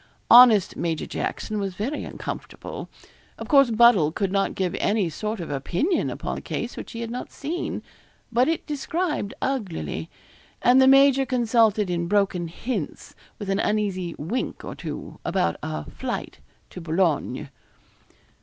Honest Major Jackson was very uncomfortable. Of course, Buddle could not give any sort of opinion upon a case which he had not seen; but it described uglily, and the major consulted in broken hints, with an uneasy wink or two, about a flight to Boulogne.